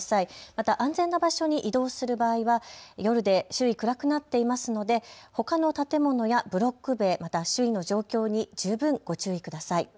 また安全な場所に移動する場合は夜で周囲、暗くなっていますのでほかの建物やブロック塀、また周囲の状況に十分ご注意ください。